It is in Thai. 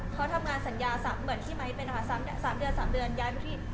เขาทำงานสัญญาคือเหมือนที่ไหมเป็นนะคะ๓เดือนย้ายไปที่